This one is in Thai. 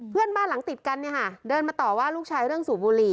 เพื่อนบ้านหลังติดกันเนี่ยค่ะเดินมาต่อว่าลูกชายเรื่องสูบบุหรี่